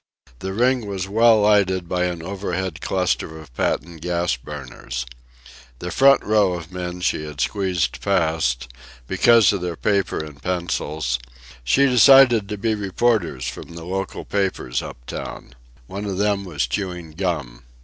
The ring was well lighted by an overhead cluster of patent gas burners. The front row of the men she had squeezed past, because of their paper and pencils, she decided to be reporters from the local papers up town. One of them was chewing gum.